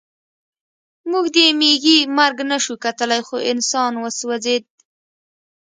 موږ د مېږي مرګ نشو کتلی خو انسان وسوځېد